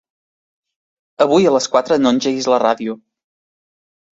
Avui a les quatre no engeguis la ràdio.